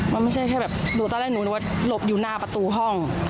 มันไม่ใช่แค่แบบหนูตอนแรกหนูนึกว่าหลบอยู่หน้าประตูห้อง